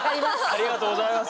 ありがとうございます。